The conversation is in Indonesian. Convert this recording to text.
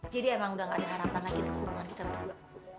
jadi emang udah gak ada harapan lagi kekurangan kita berdua